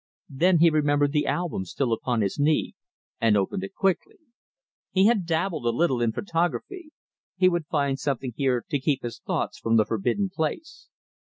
Then he remembered the album still upon his knee, and opened it quickly. He had dabbled a little in photography; he would find something here to keep his thoughts from the forbidden place.